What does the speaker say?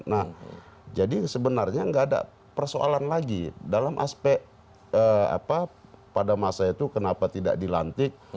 nah jadi sebenarnya nggak ada persoalan lagi dalam aspek apa pada masa itu kenapa tidak dilantik